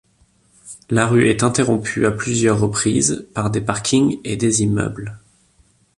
La rue est interrompue à plusieurs reprises par des parkings et des immeubles.